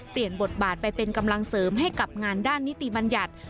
เปลี่ยนบทบาทไปเป็นกำลังเสริมให้กับงานด้านนิติบัญญัติ